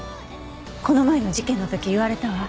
この前の事件の時言われたわ。